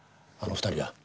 あの２人は？